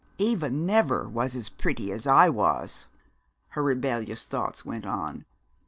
"Eva never was as pretty as I was!" her rebellious thoughts went on.